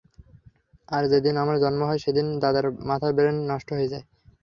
আর যেদিন আমার জন্ম হয় সেদিন দাদার মাথার ব্রেন নষ্ট হয়ে যায়।